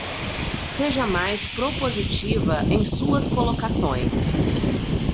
Seja mais propositiva em suas colocações